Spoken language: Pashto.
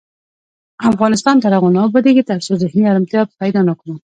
افغانستان تر هغو نه ابادیږي، ترڅو ذهني ارامتیا پیدا نکړو.